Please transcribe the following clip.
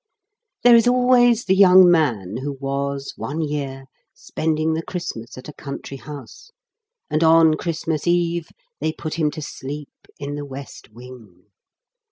There is always the young man who was, one year, spending the Christmas at a country house, and, on Christmas Eve, they put him to sleep in the west wing.